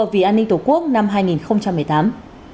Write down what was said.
vì an ninh tổ quốc năm hai nghìn một mươi tám